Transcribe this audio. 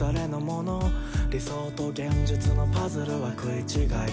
「理想と現実のパズルは食い違い」